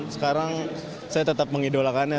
sekarang saya tetap mengidolakannya